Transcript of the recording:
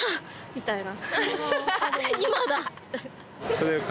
みたいな。